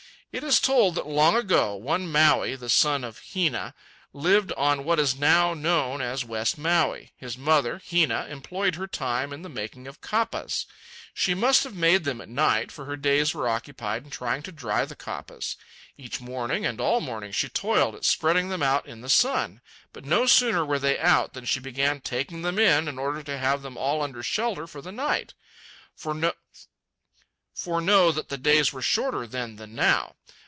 It is told that long ago, one Maui, the son of Hina, lived on what is now known as West Maui. His mother, Hina, employed her time in the making of kapas. She must have made them at night, for her days were occupied in trying to dry the kapas. Each morning, and all morning, she toiled at spreading them out in the sun. But no sooner were they out, than she began taking them in, in order to have them all under shelter for the night. For know that the days were shorter then than now.